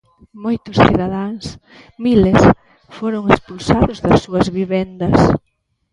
Moitos cidadáns, miles, foron expulsados das súas vivendas.